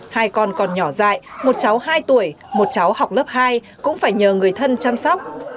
hai con còn nhỏ dại một cháu hai tuổi một cháu học lớp hai cũng phải nhờ người thân chăm sóc